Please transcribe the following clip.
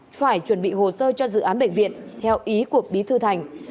phải chuẩn bị hồ sơ cho dự án bệnh viện theo ý của bí thư thành